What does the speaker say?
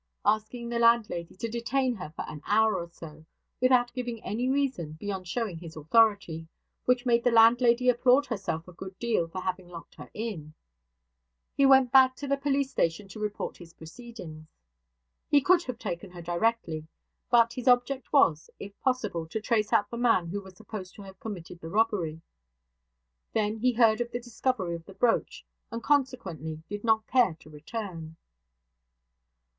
Asking the landlady to detain her for an hour or so, without giving any reason beyond showing his authority (which made the landlady applaud herself a good deal for having locked her in), he went back to the police station to report his proceedings. He could have taken her directly; but his object was, if possible, to trace out the man who was supposed to have committed the robbery. Then he heard of the discovery of the brooch; and consequently did not care to return.